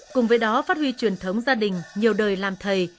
cùng với đó phát huy truyền thống gia đình nhiều đời làm thầy